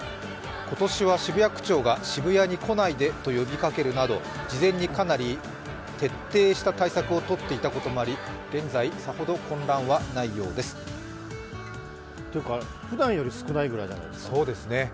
今年は渋谷区長が渋谷に来ないでと呼びかけるなど事前にかなり徹底した対策をとっていたこともあり現在、さほど混乱はないようです。というかふだんより少ないぐらいじゃないですか？